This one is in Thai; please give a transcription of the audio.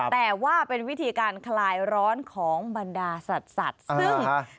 แต่ว่าเป็นวิธีการคลายร้อนของบรรดาสัตว์ซึ่ง